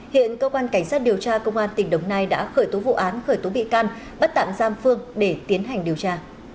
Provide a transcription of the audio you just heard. hiện cơ quan cảnh sát điều tra công an tỉnh đồng nai đã khởi tố vụ án khởi tố bị can bắt tạm giam phương để tiến hành điều tra